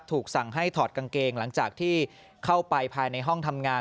สั่งให้ถอดกางเกงหลังจากที่เข้าไปภายในห้องทำงาน